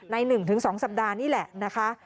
ใน๑๒สัปดาห์นี่แหละนะคะ